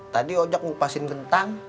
tadi ojek mau gue kupasin kentang